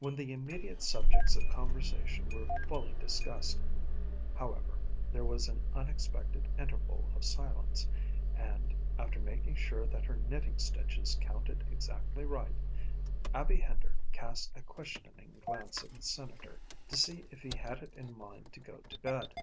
When the immediate subjects of conversation were fully discussed, however, there was an unexpected interval of silence, and, after making sure that her knitting stitches counted exactly right, Abby Hender cast a questioning glance at the Senator to see if he had it in mind to go to bed.